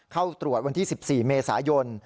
เข้าตรวจวันที่๑๔เมษายน